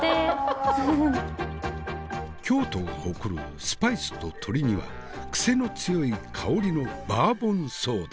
京都が誇るスパイスと鶏には癖の強い香りのバーボンソーダ。